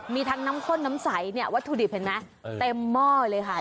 มีทั้งน้ำข้นน้ำใสเนี่ยวัตถุดิบเห็นไหมเต็มหม้อเลยค่ะ